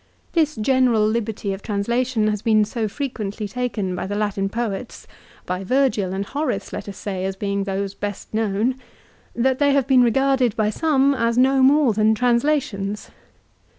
This general liberty of transla tion has been so frequently taken by the Latin poets, by Virgil and Horace let us say, as being those best known, that they have been regarded by some as no more than trans lations.